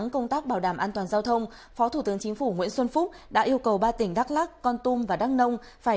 cảm ơn các bạn đã theo dõi